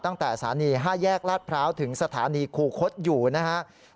ตั้งแต่สารณี๕แยกรับพร้าวถึงสารณีคูคศอยู่นะครับ